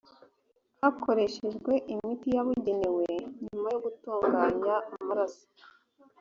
hakoreshejwe imiti yabugenewe nyuma yo gutunganya amaraso